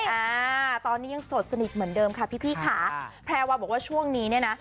อ่าตอนนี้ยังโสดสนิทเหมือนเดิมค่ะพี่พี่ค่ะแพรวาบอกว่าช่วงนี้เนี่ยนะ